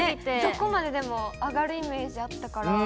どこまででも上がるイメージあったから。